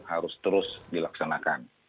harus terus dilaksanakan